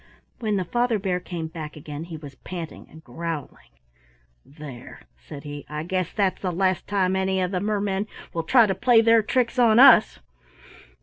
When the Father Bear came back again, he was panting and growling. "There," said he, "I guess that's the last time any of the mermen will try to play their tricks on us.